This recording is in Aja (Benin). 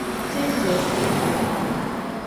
Cenjie sun go.